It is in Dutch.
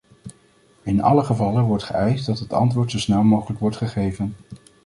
In alle gevallen wordt geëist dat het antwoord zo snel mogelijk wordt gegeven.